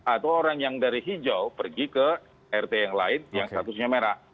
atau orang yang dari hijau pergi ke rt yang lain yang statusnya merah